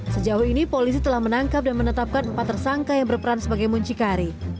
sejauh ini polisi telah menangkap dan menetapkan empat tersangka yang berperan sebagai muncikari